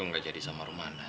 nggak jadi sama rumana